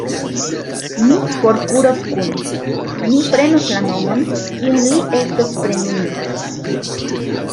Ni forkuros kune: mi prenos la nomon, kiun li estos preninta.